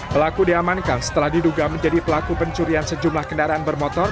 pelaku diamankan setelah diduga menjadi pelaku pencurian sejumlah kendaraan bermotor